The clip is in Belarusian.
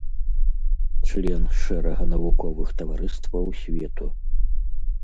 Член шэрага навуковых таварыстваў свету.